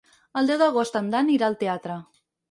El deu d'agost en Dan irà al teatre.